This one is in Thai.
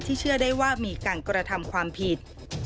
เชื่อได้ว่ามีการกระทำความผิด